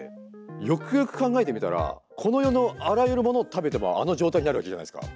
よくよく考えてみたらこの世のあらゆるものを食べてもあの状態になるわけじゃないですか。